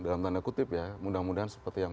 dalam tanda kutip ya mudah mudahan seperti yang